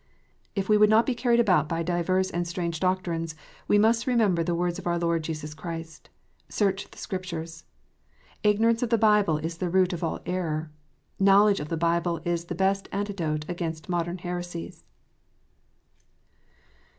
If we would not be carried about by " divers and strange doctrines," we must remember the words of our Lord Jesus Christ :" Search the Scriptures." Ignorance of the Bible is the root of all error. Knowledge of the Bible is the best antidote against modern heresies.